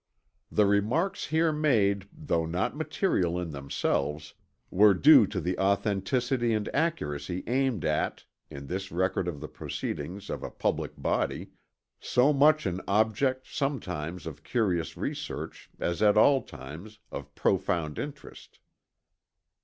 "The remarks here made, tho' not material in themselves, were due to the authenticity and accuracy aimed at, in this Record of the proceedings of a Publick Body, so much an object, sometimes, of curious research, as at all times, of profound interest."